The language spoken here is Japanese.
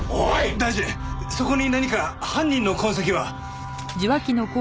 大臣そこに何か犯人の痕跡は？